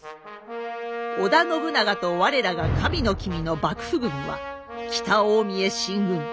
織田信長と我らが神の君の幕府軍は北近江へ進軍。